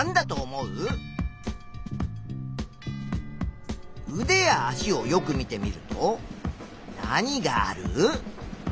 うでや足をよく見てみると何がある？